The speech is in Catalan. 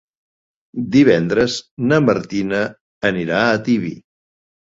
Divendres na Martina anirà a Tibi.